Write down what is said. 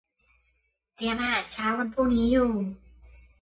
เตรียมอาหารเช้าวันพรุ่งนี้อยู่